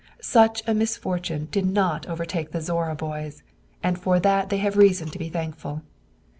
Such a misfortune did not overtake the Zorra boys, and for that they have reason to be thankful.